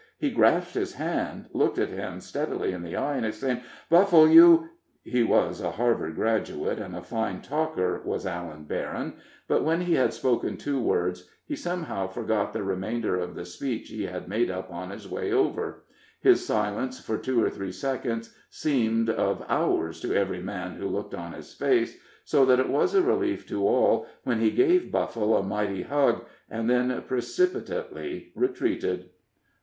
He grasped his hand, looked him steadily in the eye, and exclaimed: "Buffle, you " He was a Harvard graduate, and a fine talker, was Allan Berryn, but, when he had spoken two words, he somehow forgot the remainder of the speech he had made up on his way over; his silence for two or three seconds seemed of hours to every man who looked on his face, so that it was a relief to all when he gave Buffle a mighty hug, and then precipitately retreated.